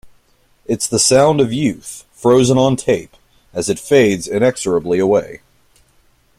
It's the sound of youth, frozen on tape, as it fades inexorably away.